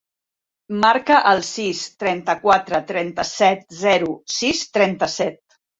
Marca el sis, trenta-quatre, trenta-set, zero, sis, trenta-set.